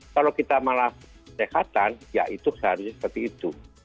kalau kita malah kesehatan ya itu seharusnya seperti itu